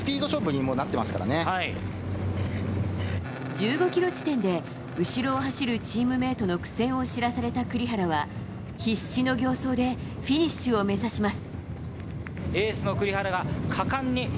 １５ｋｍ地点で後ろを走るチームメートの苦戦を知らされた栗原は必死の形相でフィニッシュを目指します。